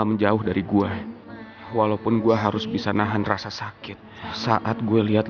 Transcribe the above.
lo jangan suka bilang ke gue ya